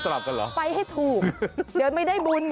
อ้าวไปให้ถูกเดี๋ยวไม่ได้บุญ